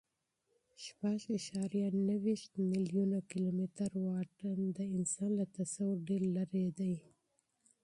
شپږ اعشاریه نهه ویشت میلیونه کیلومتره واټن د انسان له تصوره ډېر لیرې دی.